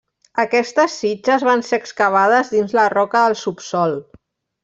Aquestes sitges van ser excavades dins la roca del subsòl.